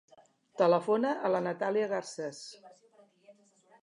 Telefona a la Natàlia Garces.